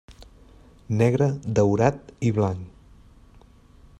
Negre, daurat i blanc.